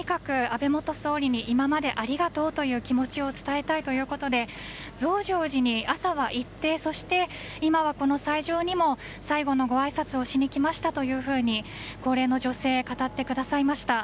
安倍元総理に今までありがとうという気持ちを伝えたいということで増上寺に朝は行ってそして、今はこの斎場にも最後のごあいさつをしにきましたと高齢の女性語ってくださいました。